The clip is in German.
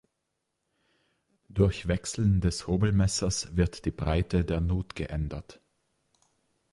Durch Wechseln des Hobelmessers wird die Breite der Nut geändert.